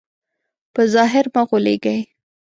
په ظاهر مه غولېږئ.